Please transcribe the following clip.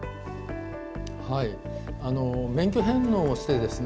免許返納をしてですね